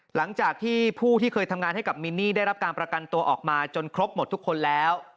หลังจากที่ผู้ที่เคยทำงานให้กับมินนี่ได้รับการประกันตัวออกมาจนครบหมดทุกคนแล้ว